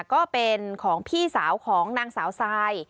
ก็เป็นของพี่สาวของนางสาวซาย